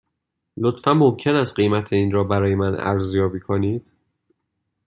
لطفاً ممکن است قیمت این را برای من ارزیابی کنید؟